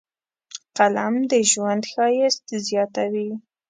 قلم د ژوند ښایست زیاتوي